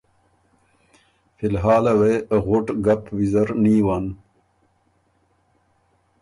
”فی الحاله وې غُټ ګپ ویزر نیون“